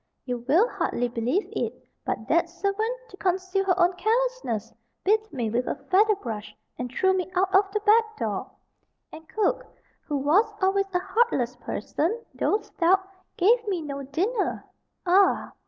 You will hardly believe it, but that servant, to conceal her own carelessness, beat me with a feather brush, and threw me out of the back door; and cook, who was always a heartless person, though stout, gave me no dinner. Ah!